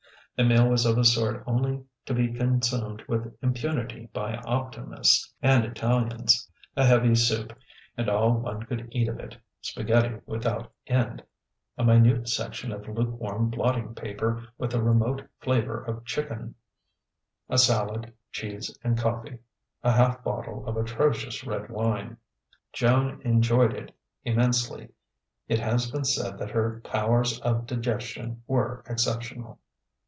The meal was of a sort only to be consumed with impunity by optimists and Italians: a heavy soup, and all one could eat of it, spaghetti without end, a minute section of lukewarm blotting paper with a remote flavour of chicken, a salad, cheese and coffee, a half bottle of atrocious red wine. Joan enjoyed it immensely; it has been said that her powers of digestion were exceptional.